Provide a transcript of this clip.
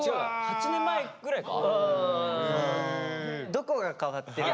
どこが変わってるの？